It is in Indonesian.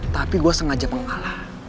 tapi gue sengaja mengalah